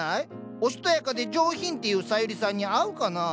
おしとやかで上品っていうサユリさんに合うかなあ。